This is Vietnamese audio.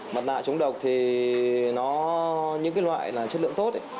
mặt nạ chống độc thì những loại chất lượng tốt